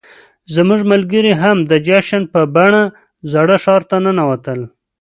زموږ ملګري هم د جشن په بڼه زاړه ښار ته ننوتل.